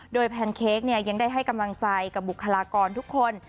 โดยแพนเค้กยังได้ให้กำลังใจกับบุคลากรทุกคน